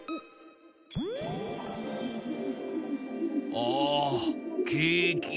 ああケーキ。